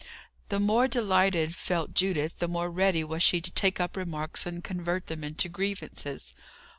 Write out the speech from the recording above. The more delighted felt Judith, the more ready was she to take up remarks and convert them into grievances.